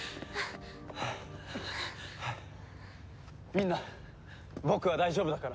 みんな僕は大丈夫だから。